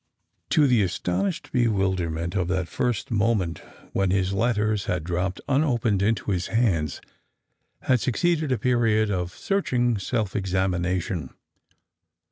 To the astonished bewilderment of that first mo ment when his letters had dropped unopened into his hands had succeeded a period of searching self examina tion.